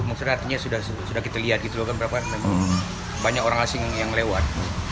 maksudnya artinya sudah kita lihat gitu loh kan berapa banyak orang asing yang lewat